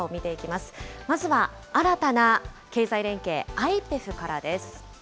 まずは新たな経済連携、ＩＰＥＦからです。